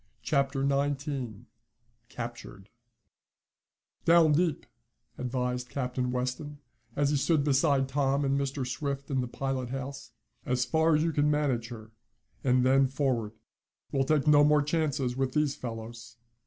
Chapter Nineteen Captured "Down deep," advised Captain Weston, as he stood beside Tom and Mr. Swift in the pilot house. "As far as you can manage her, and then forward. We'll take no more chances with these fellows."